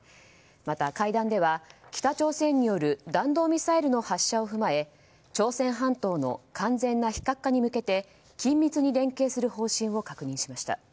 また、会談では北朝鮮による弾道ミサイルの発射を踏まえ朝鮮半島の完全な非核化に向け緊密に連携する方針を確認しました。